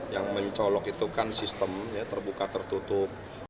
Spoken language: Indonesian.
yang mencolok itu kan sistem terbuka tertutup